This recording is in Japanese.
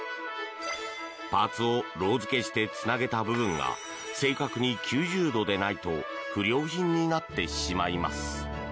パーツをロウ付けしてつなげた部分が正確に９０度でないと不良品になってしまいます。